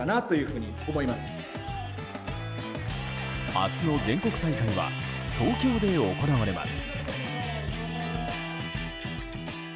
明日の全国大会は東京で行われます。